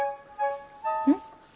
うん？